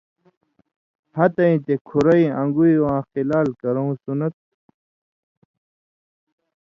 ہتہۡھَیں تے کھُرَیں اَنگوۡئ واں خِلال کرٶں سنت تھُو۔